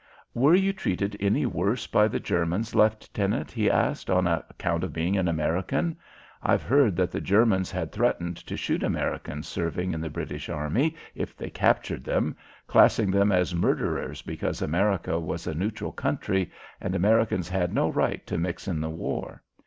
"Were you treated any worse by the Germans, Leftenant," he asked, "on account of being an American? I've heard that the Germans had threatened to shoot Americans serving in the British army if they captured them, classing them as murderers because America was a neutral country and Americans had no right to mix in the war.